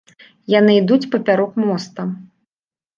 Яны ідуць папярок моста.